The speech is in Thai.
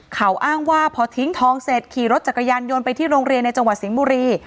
เขาอ้างว่าพอทิ้งทองเสร็จขี่รถจักรยานยนต์ไปที่โรงเรียนในจังหวัดสิงห์บุรี